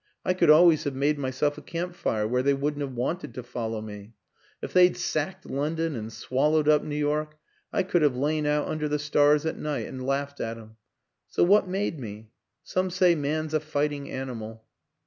I could always have made myself a camp fire where they wouldn't have wanted to follow me. If they'd sacked London and swallowed up New York I could have lain out under the stars at night and laughed at 'em. So what made me? ... Some say man's a fighting animal."